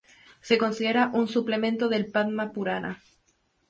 Se considera un suplemento del "Padma-purana".